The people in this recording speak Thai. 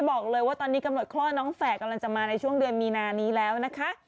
บอกเลยว่าตอนนี้กำหนดคลอดน้องแฝกกำลังจะมาในช่วงเดือนมีนานี้แล้วนะคะ